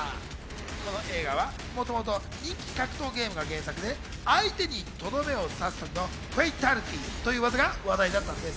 この映画はもともと人気格闘ゲームが原作で、相手にトドメを刺す時のフェイタリティという技が話題だったんです。